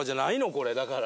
これだから。